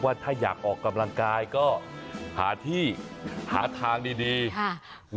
ถ้าอยากออกกำลังกายก็หาที่หาทางดีดีค่ะ